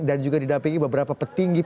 dan juga didampingi beberapa petinggi